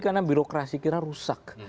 karena birokrasi kita rusak